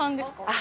あ！